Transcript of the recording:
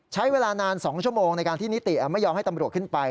ใช้เวลานาน๒ชั่วโมงในการที่นิติไม่ยอมให้ตำรวจขึ้นไป